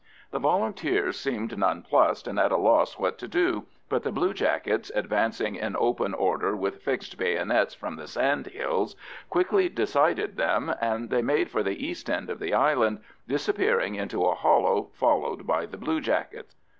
The Volunteers seemed nonplussed and at a loss what to do; but the bluejackets, advancing in open order with fixed bayonets from the sand hills, quickly decided them, and they made for the east end of the island, disappearing into a hollow followed by the bluejackets.